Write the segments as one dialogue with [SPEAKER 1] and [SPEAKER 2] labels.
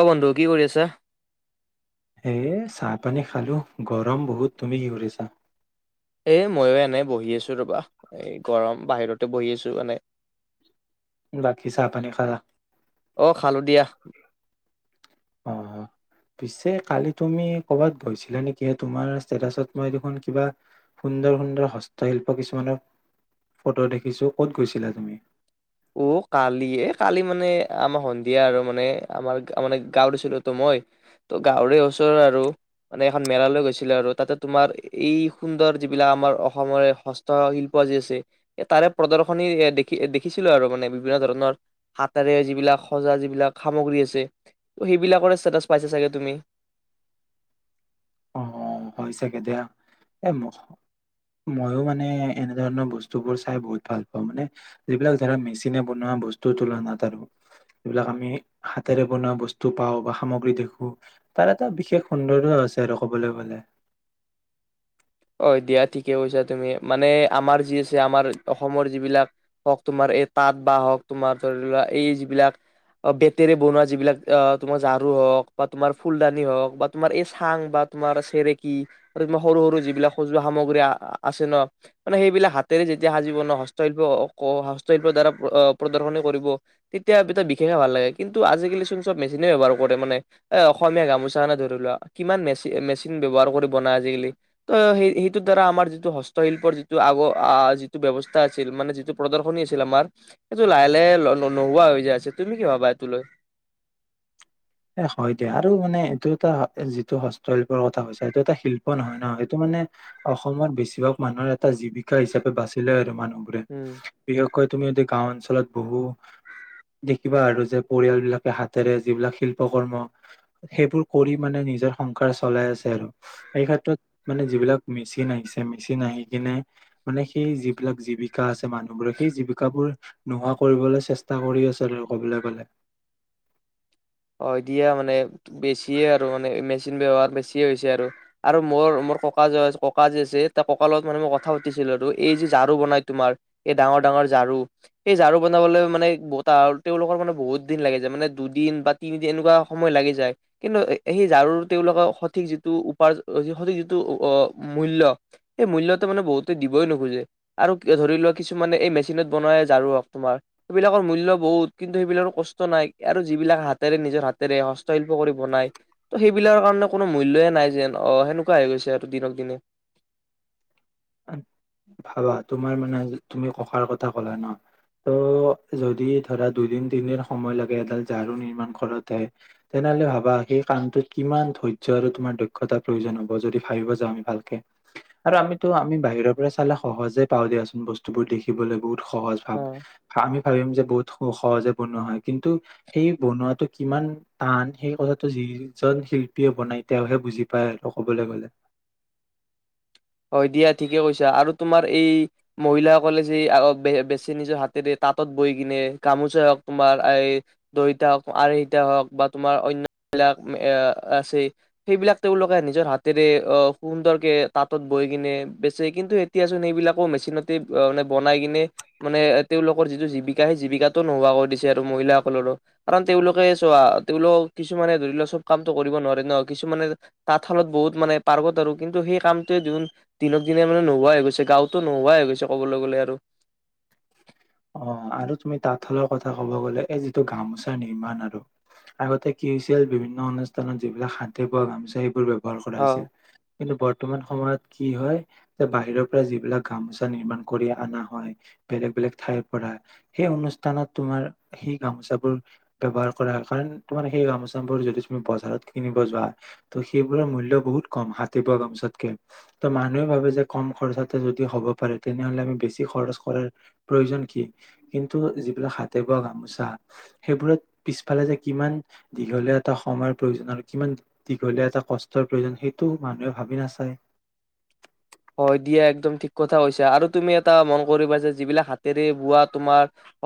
[SPEAKER 1] অ বন্ধু কি কৰি আছা?
[SPEAKER 2] এ চাহ, পানী খালোঁ, গৰম বহুত তুমি কি কৰিছা?
[SPEAKER 1] এ ময়ো এনে বহি আছো ৰ'বা, এই গৰম বাহিৰতে বহি আছোঁ মানে।
[SPEAKER 2] বাকী চাহ, পানী খালা?
[SPEAKER 1] অ', খালোঁ দিয়া।
[SPEAKER 2] অ পিছে কালি তুমি কৰ'বাত গৈছিলা নেকি তোমাৰ ষ্টেটাচত মই দেখোন কিবা সুন্দৰ সুন্দৰ হস্তশিল্প কিছুমানৰ ফটো দেখিছো ক'ত গৈছিলা তুমি।
[SPEAKER 1] অ কালি এ কালি মানে আমাৰ সন্ধিয়া আৰু মানে আমাৰ মানে গাঁৱতছিলো ত মই ত' গাঁৱৰে ওচৰ আৰু মানে এখন মেলালৈ গৈছিলো আৰু তাতে তোমাৰ এই সুন্দৰ যিবিলাক আমাৰ অসমৰে হস্ত শিল্প যি আছে তাৰে প্ৰদৰ্শনী দেখি দেখিছিল। আৰু মানে বিভিন্ন ধৰণৰ হাতেৰে যিবিলাক সজা যিবিলাক সামগ্ৰী আছে সেইবিলাকৰে ষ্টেতাচ পাইছে চাগে তুমি।
[SPEAKER 2] অ হয়, চাগে দিয়া। এ, ম-ময়ো মানে এনেধৰণৰ বস্তুবোৰ চাই বহুত ভাল পাওঁ মানে যিবিলাক ধৰা মেচিনে বনোৱা বস্তুৰ তুলনাত আৰু যিবিলাক আমি হাতেৰে বনোৱা বস্তু পাওঁ বা সামগ্ৰী দেখোঁ, তাৰ এটা বিশেষ সৌন্দৰ্য আছে আৰু ক'বলৈ গ'লে।
[SPEAKER 1] অ দিয়া ঠিকে কৈছা তুমি মানে আমাৰ যি আছে আমাৰ অসমৰ যিবিলাক হওঁক তোমাৰ এই তাঁত বাহ হওঁক তোমাৰ ধৰি লোৱা এই যিবিলাক বেতেৰে বনোৱা যিবিলাক আহ তোমাৰ ঝাৰু হওঁক বা তোমাৰ ফুলদানি হওঁক বা তোমাৰ এই চাং বা তোমাৰ চেৰেকী তোমাৰ সৰু সৰু যিবিলাক সজোৱা সামগ্ৰী আছে ন মানে সেইবিলাক হাতেৰে যেতিয়া সাজিব ন হস্তশিল্প হস্তশিল্পৰ দ্বাৰা প্ৰদৰ্শনী কৰিব তেতিয়া এটা বিশেষে ভাল লাগে কিন্তু আজিকালি চোন চব মেচিনেব্যৱহাৰ কৰে মানে এ অসমীয়া গামোচাখনে ধৰি লোৱা কিমান মেচিন মেচিন ব্যৱহাৰ কৰিব না আজিকালি। ত' সেই-সেইটোৰ দ্বাৰা আমাৰ যিটো হস্তশিল্পৰ যিটো আগৰ-আ, যিটো ব্যৱস্থা আছিল মানে যিটো প্ৰদৰ্শনী আছিল, আমাৰ সেইটো লাহে, লাহে লো-নোহোৱা হৈ যায় আছে তুমি কি ভাবা এইটো লৈ?
[SPEAKER 2] এ হয়, দিয়া আৰু মানে এইটো এটা যিটো হস্তশিল্পৰ কথা হৈছে এইটো এটা শিল্প নহয় ন! এটো মানে অসমত বেছিভাগ মানুহৰ এটা জীৱিকা হিচাপে বাচিলে আৰু মানুহ বোলে
[SPEAKER 1] উম।
[SPEAKER 2] [unintelligible] কয় তুমি যদি গাওঁ অঞ্চলত বহু দেখিবা আৰু যে, পৰিয়াল বিলাকে হাতেৰে যিবিলাক শিল পকৰ্ম সেইবোৰ কৰি মানে নিজৰ সংসাৰ চলাই আছে আৰু, এই ক্ষেত্ৰত মানে যিবিলাক মেচিন আহিছে, মেচিন আহি কিনে মানে সেই যিবিলাক জীৱিকা আছ মানুহবোৰে সেই জীৱিকাবোৰ নোহোৱা কৰিবলৈ চেষ্টা কৰি আছে আৰু ক'বলৈ গ'লে।
[SPEAKER 1] অ', দিয়া মানে বেছিয়ে আৰু মানে মেচিন ব্যৱহাৰ বেছিয়ে হৈছে আৰু মোৰ, মোৰ ককা যে, ককা যে, আছে ত' ককা লগত মানে মই কথা পাতিছিলোঁ আৰু এই যে, ঝাৰু বনাই তোমাৰ এই ডাঙৰ, ডাঙৰ ঝাৰু, এই ঝাৰু বনাবলৈ মানে [unintelligible] তেওঁলোকৰ মানে বহুত দিন লাগি যায় মানে দুদিন বা তিনিদিন এনেকুৱা সময় লাগি যায়, কিন্তু সেই ঝাৰুৰ তেওঁলোকৰ সঠিক যিটো উপা সঠিক যিটো অ', মূল্য সেই মূল্যটো মানে বহুতে দিবই নোখোজে, আৰু ধৰি লোৱা কিছুমানে এই মেচিনত বনোৱা ঝাৰু হওঁক তোমাৰ সেইবিলাকৰ মূল্য বহুত কিন্তু সেইবিলাকৰ কষ্ট নাই আৰু যিবিলাক হাত- হাতেৰে নিজৰ হাতেৰে হস্তশিল্প কৰি বনাই ত সেইবিলাক কাৰণে কোনো মূল্যয়ে নাই যেন আহ সেনেকুৱা হৈ গৈছে আৰু দিনক দিনে।
[SPEAKER 2] ভাবা, তোমাৰ মানে তুমি ককাৰ কথা ক'লা ন! ত' যদি ধৰা দুইদিন, তিনদিন সময় লাগে এডাল ঝাৰু নিৰ্মাণ কৰোতে তেনেহ'লে ভাবা সেই কামটোত কিমান ধৈৰ্য্য আৰু তোমাৰ দক্ষতাৰ প্ৰয়োজন হ'ব যদি ভাবিব যাওঁ আমি ভালকে আৰু আমিতো আমি বাহিৰৰ পৰা চালে সহজে পাওঁ দিয়াচোন, বস্তুবোৰ দেখিবলৈ বহুত সহজ ভাৱ
[SPEAKER 1] অ
[SPEAKER 2] আমি ভাবিম যে বহুত সু-সহজে বনোৱা হয়, কিন্তু সেই বনোৱাটো কিমান টান সেই কথাটো যিজন শিল্পীয়ে বনাই তেওঁহে বুজি পাই আৰু ক'বলৈ গ'লে।
[SPEAKER 1] হয় দিয়া ঠিকে কৈছা আৰু তোমাৰ এই মহিলাসকলে যে, বেছি নিজৰ হাতেৰে তাঁতত বৈ কিনে গামোচা হওঁক তোমাৰ, দহিতা হওঁক আহিটা হওঁক বা তোমাৰ অন্য বিলাক এ আছে সেইবিলাক তেওঁলোকে নিজৰ হাতেৰে সুন্দৰকে তাঁত [unintelligible] বৈ কিনে বেচে কিন্তু এতিয়াচোন সেইবিলাকো মেচিনতে মানে বনাই কিনে মানে তেওঁলোকৰ যিটো জীৱিকা সেই জীৱিকাটো নোহোৱা কৰি দিছে আৰু মহিলা সকলৰো, কাৰণ তেওঁলোকে চোৱা, তেওঁলোক কিছুমানে ধৰি লওঁক চব কামটো কৰিব নোৱাৰে ন', কিছুমানে তাঁতশালত বহুত মানে পাৰ্গত আৰু কিন্তু সেই কাম [unintelligible] দিনক দিনে মানে নোহোৱা হৈ গৈছে, গাঁওতো নোহোৱাই হৈ গৈছে ক'বলৈ গ'লে আৰু।
[SPEAKER 2] অ', আৰু তুমি তাঁতশালৰ কথা ক'ব গ'লে এই যিটো গামোচা নিৰ্মাণ আৰু আগতে কি হৈছিল বিভিন্ন অনুষ্ঠানত যিবিলাক হাতে বোৱা গামোচা সেইবোৰ ব্যৱহাৰ [unintelligible] কৰা হৈছিল। কিন্তু বৰ্তমান সময়ত কি হয়, যে বাহিৰৰ পৰা যিবিলাক গামোচা নিৰ্মান কৰি অনা হয়, বেলেগ বেলেগ ঠাই পৰা, সেই অনুষ্ঠানত তোমাৰ সেই গামোচাবোৰ ব্যৱহাৰ কৰা হয় কাৰণ, তোমাৰ সেই গামোচাবোৰ যদি তুমি বজাৰত কিনিব যোৱা ত' সেইবোৰৰ মূল্য বহুত কম হাতে বোৱা গামোচাতকে। ত', মানুহে ভাবে যে কম খৰচাতে যদি হ'ব পাৰে, তেনেহ'লে আমি বেছি খৰচ কৰাৰ প্ৰয়োজন কি কিন্তু যিবিলাক হাতে বোৱা গামোচা সেইবোৰত পিছফালে যে কিমান দীঘলীয়া এটা সময়ৰ প্ৰয়োজন আৰু কিমান দীঘলীয়া এটা কষ্টৰ প্ৰয়োজন সেইটো মানুহে ভাবি নাচায়।
[SPEAKER 1] হয় দিয়া একদম ঠিক কথা হৈছে আৰু তুমি এটা মন কৰিবা যে যিবিলাক হাতেৰে বোৱা তোমাৰ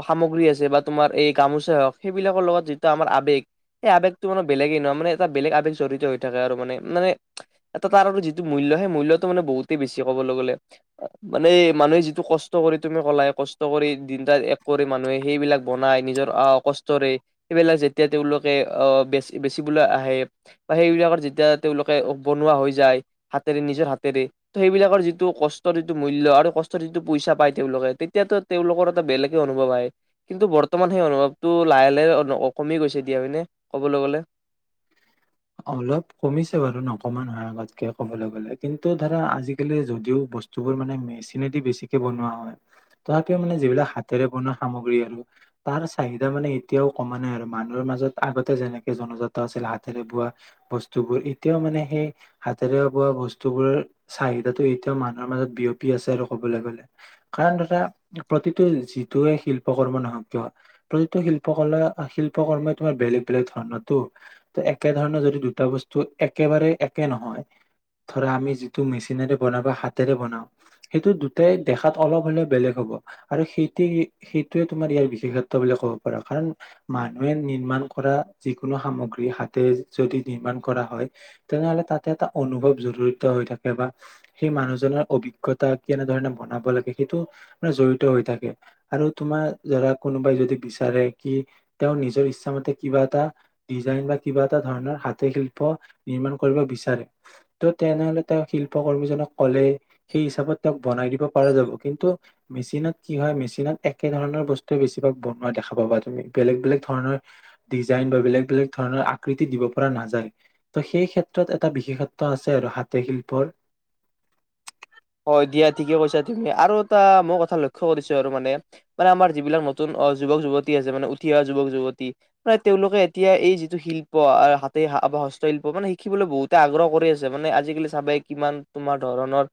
[SPEAKER 1] সামগ্ৰী আছে বা তোমাৰ এই গামোচা হওঁক সেইবিলাকৰ লগত যিটো আমাৰ আৱেগ সেই আৱেগটো মানে বেলেগে নহয় মানে এটা বেলেগ আৱেগ জড়িত হৈ থাকে আৰু মানে মানে এটা তাৰ যিটো মূল্য সেই মূল্যৰটো মানে বহুত। বেছি ক'বলৈ গ'লে মানে মানুহে যিটো কষ্ট কৰি তুমি কলাই কষ্ট কৰি দিনটাত এক কৰি মানুহে সেইবিলাক বনাই নিজৰ আহ কষ্টৰে সেইবিলাক যেতিয়া তেওঁলোকে আহ বেচি বেচিবলৈ আহে বা সেইবিলাকৰ যেতিয়া তেওঁলোকে বনোৱা হৈ যায় হাতেৰে নিজৰ হাতেৰে ত', সেইবিলাকৰ যিটো কষ্টৰ যিটো মূল্য আৰু কষ্টৰ যিটো পইচা পায় তেওঁলোকে, তেতিয়াতো তেওঁলোকৰ এটা বেলেগে অনুভৱ আহে। কিন্তু বৰ্তমান সেই অনুভৱটো লাহে লাহে কমি গৈছে দিয়া মানে, ক'বলৈ গ'লে।
[SPEAKER 2] অলপ কমিছে বাৰু নকমা নহয় আগতকৈ ক'বলৈ গ'লে। কিন্তু ধৰা আজিকালি যদিও বস্তুবোৰ মানে মেচিনেদি বেছিকে বনোৱা হয়, তথাপিও মানে যিবিলাক হাতেৰে বনোৱা সামগ্ৰী আৰু তাৰ চাহিদা মানে এতিয়াও কমা নাই আৰু মানুহৰ মাজত আগতে যেনেকে জনজাত আছিল হাতেৰে বোৱা বস্তুবোৰ এতিয়াও মানে সেই হাতেৰে বোৱা বস্তুবোৰৰ চাহিদাটো এতিয়াও মানুহৰ মাজত বিয়পি আছে আৰু ক'বলৈ গ'লে। কাৰণ ধৰা প্ৰতিটো যিটোয়ে শিল্প কৰ্ম নহওঁক কিয়, প্ৰতিটো শিল্প কলা, শিল্প কৰ্মই তোমাৰ বেলেগ বেলেগ ধৰণৰতো, ত' একে ধৰণৰ য দুটা বস্তু একেবাৰে একে নহয় ধৰা আমি যিটো মেচিনেৰে বন হাতেৰে বনাওঁ সেইটো দুটাই দেখাত অলপ হ'লে বেলেগ হ'ব আৰু সেই সেইটোৱে তোমাৰ ইয়াৰ বিশেষত্ব বুলি ক'ব পাৰা কাৰণ মানুহে নিৰ্মাণ কৰা যিকোনো সামগ্ৰী হাতে যদি নিৰ্মাণ কৰা হয় তেনেহলে তাতে এটা অনুভৱ জড়িত হৈ থাকে বা সেই মানুহজনৰ অভিজ্ঞতা কেনেধৰণে বনাব লাগে সেইটো মানে জড়িত হৈ থাকে আৰু তোমাৰ ধৰা কোনোবাই যদি বিচাৰে কি তেওঁ নিজৰ ইচ্ছামতে কিবা এটা ডিজাইন বা কিবা এটা ধৰণৰ হাতে শিল্প নিৰ্মাণ কৰিব বিচাৰে। ত' তেনেহ'লে তেওঁ শিল্প কৰ্মীজনক ক'লে সেই হিচাপত তেওঁক বনাই দিব পৰা যাব, কিন্তু মেচিনত কি হয় মেচিনত একে ধৰণৰ বস্তুৱে বেছিভাগ বনোৱা দেখা পাবা তুমি, বেলেগ বেলেগ ধৰণৰ ডিজাইন বা বেলেগ বেলেগ ধৰণৰ আকৃতি দিব পৰা নাযায়। ত' সেই ক্ষেত্ৰত এটা বিশেষত্ব আছে আৰু হাতে শিল্পৰ।
[SPEAKER 1] হয় দিয়া ঠিকে কৈছা তুমি আৰু এটা মোৰ কথা লক্ষ্যৰ কৰিছো আৰু মানে, মানে আমাৰ যিবিলাক নতুন অ', যুৱক যুৱতী আছে মানে উঠি অহা যুৱক যুৱতী, মানে তেওঁলোকে এতিয়া এই যিটো শিল্প, হাতে হস্তশিল্প মানে শিকিবলৈ বহুতে আগ্ৰহ কৰি আছে মানে। আজিকালি চাবে কিমান তোমাৰ ধৰণৰ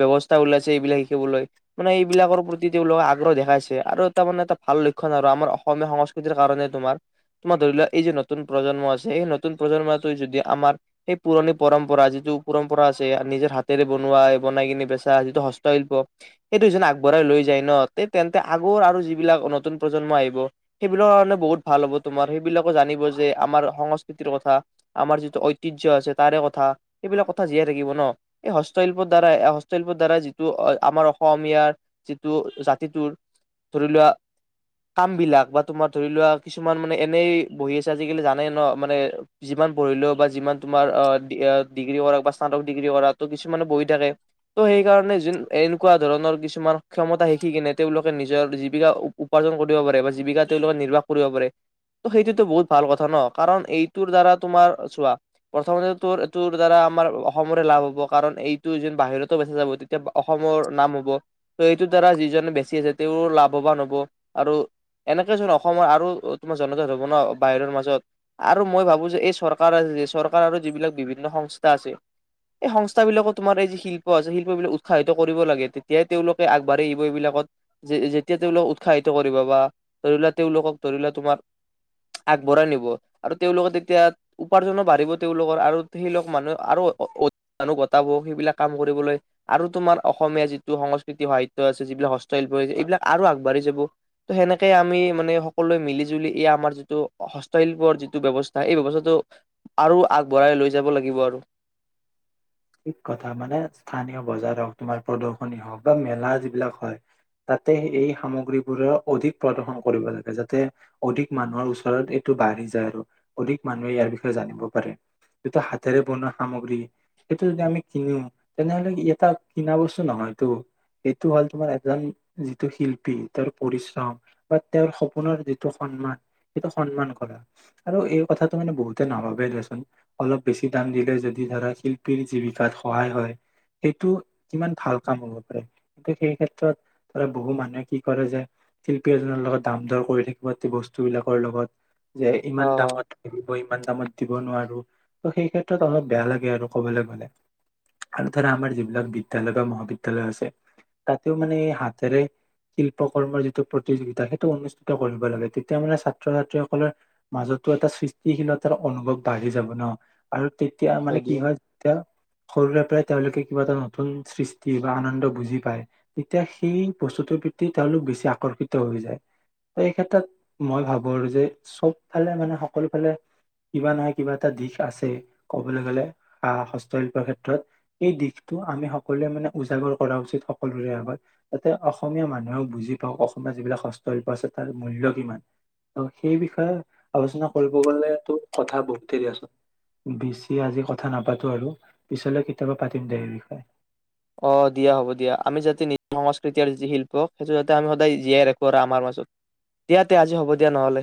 [SPEAKER 1] ব্যৱস্থা ওলাইছে এইবিলাক শিকিবলৈ। মানে এইবিলাকৰ প্ৰতি তেওঁলোকে আগ্ৰহ দেখাইছে আৰু তাৰ মানে এটা ভাল লক্ষণ আৰু আমাৰ অসমীয়া সংস্কৃতিৰ কাৰণে তোমাৰ তোমাৰ ধৰি লোৱা, এই যি নতুন প্ৰজন্ম আছে সেই নতুন প্ৰজন্মটোৱে যদি আমাৰ সেই পুৰণি পৰম্পৰা, যিটো পৰম্পৰা আছে নিজৰ হাতেৰে বনোৱা বনাই কিনে বেচা যিটো হস্তশিল্প, সেইটো [unintelligible] আগবঢ়াই লৈ যায় ন তেন্তে আগৰ আৰু যিবিলাক নতুন প্ৰজন্ম আহিব সেইবিলৰ কাৰণে বহুত ভাল হ'ব। তোমাৰ সেইবিলাকো জানিব যে আমাৰ সংস্কৃতিৰ কথা, আমাৰ যিটো ঐতিয্য আছে তাৰে কথা, সেইবিলাক কথা জীয়াই থাকিব ন', এই হস্তশিল্প দ্বাৰাই, হস্তশিল্পৰ দ্বাৰা যিটো আমাৰ অসমীয়াৰ যিটো জাতিটোৰ, ধৰি লোৱা কাম বিলাক বা তোমাৰ ধৰি লোৱা কিছুমান মানে এনেই বহি আছে আজিকালি জানে ন', মানে যিমান পঢ়িলেও বা যিমান তোমাৰ ডিগ্ৰী কৰা বা স্নাতক ডিগ্ৰী কৰা ত', কিছুমানে বহে ত' সেইকাৰণে য এনেকুৱা ধৰণৰ কিছুমান ক্ষমতা শিকি কিনে তেওঁলোকে নিজৰ জীৱিকা উপাৰ্জন কৰিব পাৰে বা জীৱিকা তেওঁলোকে নিৰ্বাহ কৰিব পাৰে ত সেইটোতো বহুত ভাল কথা ন কাৰণ এইটোৰ দ্বাৰা তোমাৰ চোৱা প্ৰথমতেটোৰ দ্বাৰা আমাৰ অসমৰে লাভ হব কাৰণ এই বাহিৰতো বেচা যাব তেতিয়া অসমৰ নাম হ'ব ত' এইটোৰ দ্বাৰা যিজননে বেচি আছে তেওঁৰ লাভৱান হ'ব আৰু এনেকে চোন অসমৰ আৰু তোমাৰ জনতা ধৱনৰৰ বাহিৰৰ মাজত আৰু মই ভাবো যে এই চৰকাৰ চৰকাৰ আৰু যিবিলাক বিভিন্ন সংস্থা আছে এই সংস্থাবিলাকত তোমাৰ এই যি শিল্প আছে শিল্প বিলাক উৎসাহিত কৰিব লাগে তেতিয়াই তেওঁলোকে আগবাঢ়ি আহিব এইবিলাকত যে যেতিয়া তেওঁলোকক উৎসাহিত কৰিব বা ধৰি লোৱা তেওঁলোকক ধৰি লোৱা তোমাৰ আগবঢ়াই নিব আৰু তেওঁলোকে তেতিয়া উপাৰ্জনো বাঢ়িব তেওঁলোকৰ আৰু সেইলোকক মানুহে আৰু সেইবিলাক কাম কৰিবলৈ আৰু তোমাৰ অসমীয়া যিটো সংস্কৃতি সাহিত্যয় আছে যিবিলাক হস্তশিল্পছে এইবিলাক আৰু আগবাঢ়ি যাব ত' সেনেকে আমি মানে সকলোৱে মিলি জুলি এই আমাৰ যিটো হস্তশিল্পৰ যিটো ব্যৱস্থা এই ব্যৱস্থাটো আৰু আগবঢ়াই লৈ যাব লাগিব আৰু।
[SPEAKER 2] ঠিক কথা মানে স্থানীয় বজাৰ হওক তোমাৰ প্ৰদৰ্শনী হওক বা মেলা যিবিলাক হয় তাতে এই সামগ্ৰীবোৰ অধিক প্ৰদৰ্শন কৰিব লাগে যাতে অধিক মানুহৰ ওচৰত এইটো বাঢ়ি যায় আৰু অধিক মানুহে ইয়াৰ বিষয়ে জানিব পাৰে যটো হাতেৰে বনোৱা সামগ্ৰী। সেইটো যদি আমি কিনোও তেনেহলে এটা কিনা বস্তু নহয়তটো সেইটো হ'ল তোমাৰ এজন যিটো শিল্পী তেওঁৰ পৰিশ্ৰম বা তেওঁৰ সপোনৰ যিটো সন্মান সেইটো সন্মান কৰা আৰু এই কথাটো মানে বহুতে নাভাবে দেচোন অলপ বেছি দাম দিলে যদি ধৰা শিল [unintelligible] জীৱিকাত সহায় হয়। সেইটো কিমান ভাল কাম হ'ব পাৰে কিন্তু সেই ক্ষেত্ৰত ধৰা বহু মানুহে কি কৰে যে শিল্পী এজনৰ লগত দাম দৰ কৰি থাকিব বস্তুবিলাকৰ লগত যে
[SPEAKER 1] অ
[SPEAKER 2] ইমান
[SPEAKER 1] অ
[SPEAKER 2] দামত [unintelligible] ইমান দামত দিব নোৱাৰো, ত' সেই ক্ষেত্ৰত অলপ বেয়া লাগে আৰু। কবলৈ গলে আৰু ধৰা আমাৰ যিবিলাক বিদ্যালয় বা মহাবিদ্যালয় আছে, তাতেওঁ মানে হাতেৰে শিল্প কৰ্মৰ যিটো প্ৰতিযোগিতা, সেইটো অনুষ্ঠিত কৰিব লাগে তেতিয়া মানে ছাত্ৰ ছাত্ৰীসকলৰ মাজতো এটা সৃষ্টিশীলতাৰ অনুভৱ বাঢ়ি যাব ন আৰু তেতিয়া মানে কি হয় সৰুৰে পৰাই তেওঁলোকে কিবা এটা নতুন সৃষ্টি বা আনন্দ বুজি পায়। তেতিয়া সেই বস্তুটোৰ প্ৰতি তেওঁলোক বেছি আকৰ্ষিত হৈ যায়, এই ক্ষেত্ৰত মই ভাবো আৰু যে চবফালে মানে সকলো ফালে কিবা নহয় কিবা এটা দিশ আছে, কবলৈ গলে। আহ! হস্তশিল্পৰ ক্ষেত্ৰত এই দিশটো আমি সকলোৱে মানে উজাগৰ কৰা উচিত, সকলোৰে আগত। যাতে অসমীয়া মানুহেও বুজি পাওঁক অসমীয়া যিবিলাক হস্তশিল্প আছে, তাৰ মূল্য কিমান। ত' সেই বিষয়ে আলোচনা কৰিব গ'লেতো কথা বহুত দেৰি আছে, বেছি আজি কথা নাপাতোঁ আৰু! পিছলৈ কেতিয়াবা পাতিম দে সেই বিষয়ে।
[SPEAKER 1] অ', দিয়া হ'ব দিয়া। আমি যাতে নিজ সংস্কৃতি আৰু যি শিল্প, সেইটো যাতে আমি সদায় জীয়াই ৰাখো আৰু আমাৰ মাজত। দিয়া তে আজি হ'ব দিয়া নহ'লে।